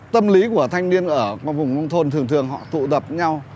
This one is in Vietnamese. tâm lý của thanh niên ở vùng nông thôn thường thường họ tụ tập nhau